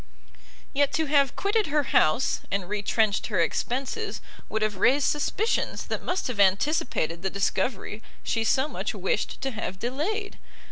Yet to have quitted her house, and retrenched her expences, would have raised suspicions that must have anticipated the discovery she so much wished to have delayed.